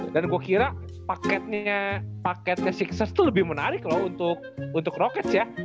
dan gue kira paketnya enam ers tuh lebih menarik loh untuk rockets ya